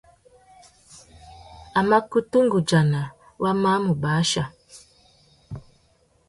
A mà kutu nʼgudzana wa mà mù bachia.